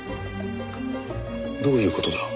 どういう事だ？